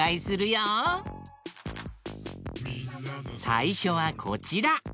さいしょはこちら。